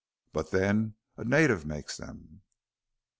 "But, then, a native makes them."